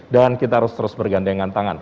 dan kita harus terus bergandengan tangan